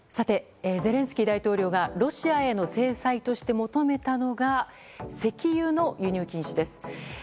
ゼレンスキー大統領がロシアへの制裁として求めたのが石油の輸入禁止です。